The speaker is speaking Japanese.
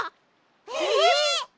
えっ！